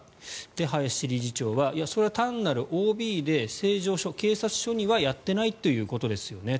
林理事長はそれは単なるＯＢで成城署警察署にはやっていないということですよね。